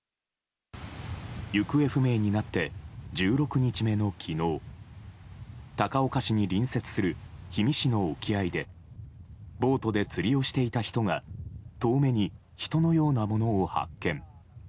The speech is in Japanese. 行方不明になって１６日目の昨日高岡市に隣接する氷見市の沖合でボートで釣りをしていた人が遠目に人のようなものを発見。